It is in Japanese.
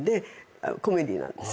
コメディーなんですけど。